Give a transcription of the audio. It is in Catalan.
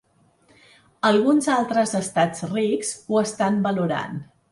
Alguns altres estats rics ho estan valorant.